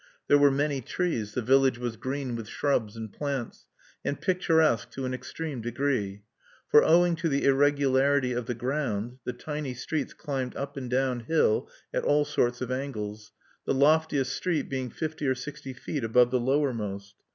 There were many trees; the village was green with shrubs and plants, and picturesque to an extreme degree; for, owing to the irregularity of the ground, the tiny streets climbed up and down hill at all sorts of angles, the loftiest street being fifty or sixty feet above the lowermost.